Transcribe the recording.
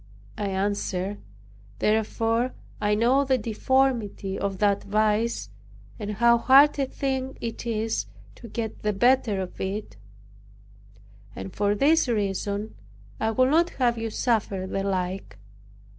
I answered, "Therefore I know the deformity of that vice, and how hard a thing it is to get the better of it; and for this reason, I would not have you suffer the like."